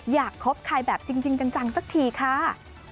คบใครแบบจริงจังสักทีค่ะ